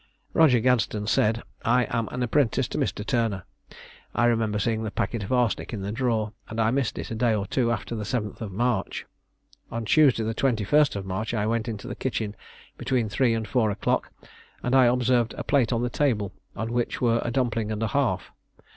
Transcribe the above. Roger Gadsden said, I am an apprentice to Mr. Turner. I remember seeing the packet of arsenic in the drawer, and I missed it a day or two after the 7th of March. On Tuesday, the 21st of March, I went into the kitchen between three and four o'clock, and I observed a plate on the table, on which were a dumpling and a half.